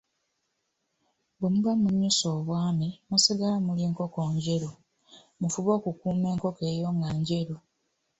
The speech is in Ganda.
Bwe muba munnyuse Obwami, musigala muli nkoko njeru, mufube okukuuma enkoko eyo nga njeru.